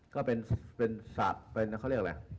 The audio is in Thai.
ก็เป็นศาสตร์